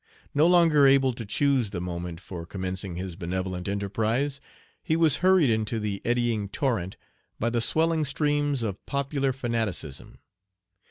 No longer able to choose the moment for commencing his benevolent enterprise, he was hurried into the eddying torrent by the swelling streams of popular fanaticism.